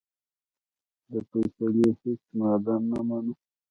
د فیصلې هیڅ ماده نه منو.